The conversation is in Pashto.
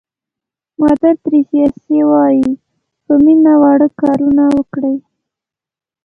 مادر تریسیا وایي په مینه واړه کارونه وکړئ.